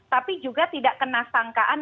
tapi juga tidak kena sangkaan